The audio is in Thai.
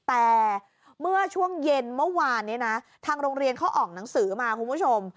แต่เมื่อช่วงเย็นเมื่อวานนี้นะทางโรงเรียนเขาออกหนังสือมาคุณผู้ชม